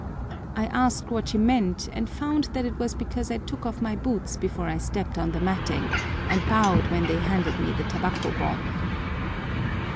I asked what she meant, and found that it was because I took off my boots before I stepped on the matting, and bowed when they handed me the tabako bon.